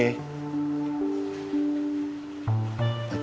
ngapain ya dia